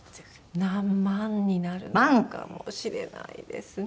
何万になるかもしれないですね。